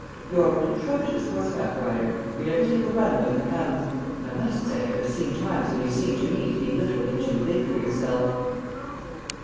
You are an atrocious horse back rider, you never take a run with the hounds, and I must say I have seen times when you seemed to me to be literally too big for yourself."